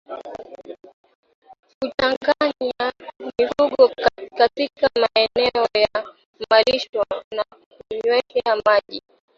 Kuchanganya mifugo katika maeneo ya malisho na kunywea maji